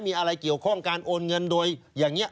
มีอะไรเกี่ยวข้องการโอนเงินโดยอย่างนี้